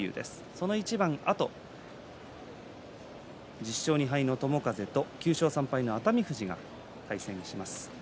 その一番あと１０勝２敗の友風と９勝３敗の熱海富士が対戦します。